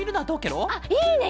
あっいいね！